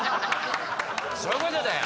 そういうことだよ！